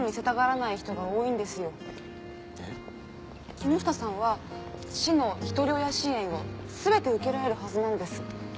木下さんは市のひとり親支援を全て受けられるはずなんです。